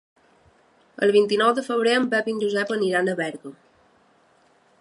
El vint-i-nou de febrer en Pep i en Josep iran a Berga.